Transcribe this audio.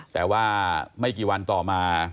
แต่ว่าไม่กี่วันต่อมา